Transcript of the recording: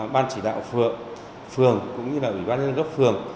ban chỉ đạo phường cũng như là ủy ban nhân gốc phường